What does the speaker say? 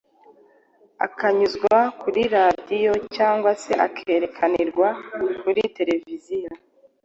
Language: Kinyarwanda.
akanyuzwa kuri radiyo cyangwa se akerekanirwa kuri tereviziyo.